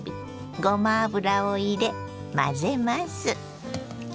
ごま油を入れ混ぜます。